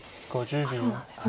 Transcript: そうなんですね。